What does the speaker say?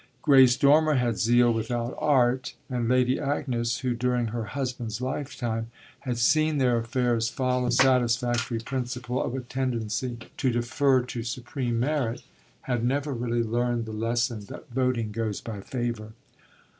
Grace Dormer had zeal without art, and Lady Agnes, who during her husband's lifetime had seen their affairs follow the satisfactory principle of a tendency to defer to supreme merit, had never really learned the lesson that voting goes by favour.